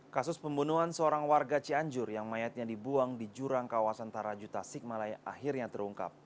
kasus pembunuhan seorang warga cianjur yang mayatnya dibuang di jurang kawasan tarajuta sikmalaya akhirnya terungkap